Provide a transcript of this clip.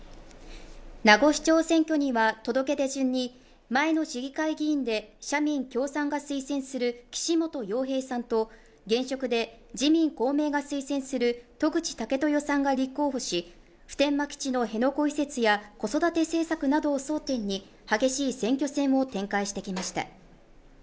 名護市長選挙には届け出順に前の市議会議員で社民・共産が推薦する岸本洋平さんと、現職で自民・公明が推薦する渡具知武豊さんが立候補し、普天間基地の辺野古移設や子育て政策などを争点に激しい選挙戦を展開してきました。